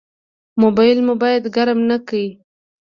موبایل مو باید ګرم نه کړو.